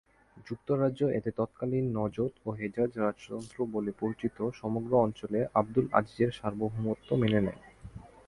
যুক্তরাজ্য এতে তৎকালীন নজদ ও হেজাজ রাজতন্ত্র বলে পরিচিত সমগ্র অঞ্চলে আবদুল আজিজের সার্বভৌমত্ব মেনে নেয়।